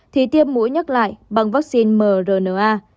thì tiêm mũi nhắc lại bằng vaccine mrna